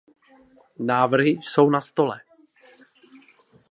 Návrhy jsou na stole.